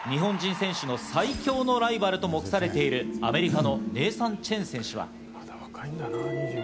日本人選手の最強のライバルとも目されているアメリカのネイサン・チェン選手は。